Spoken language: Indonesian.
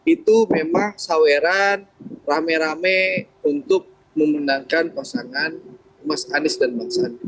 itu memang saweran rame rame untuk memenangkan pasangan mas anies dan bang sandi